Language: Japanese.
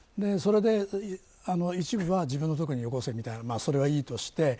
それで一部は自分のところによこせってそれはいいとして。